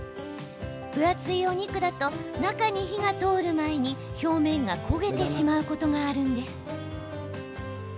分厚いお肉だと中に火が通る前に表面が焦げてしまうことがあるんです。